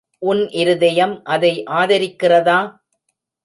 உன் இருதயம் அதை ஆதரிக்கிறதா?